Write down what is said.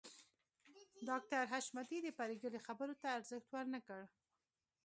ډاکټر حشمتي د پريګلې خبرو ته ارزښت ورنکړ